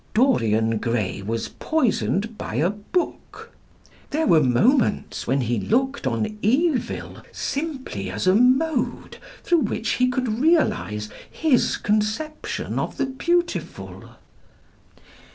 Dorian Gray was poisoned by a book. There were moments when he looked on evil simply as a mode through which he could realise his conception of the beautiful."